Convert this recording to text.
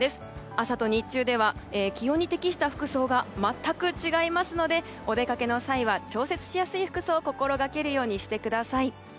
朝と日中では気温に適した服装が全く違いますのでお出かけの際は調節しやすい服装を心がけるようにしてください。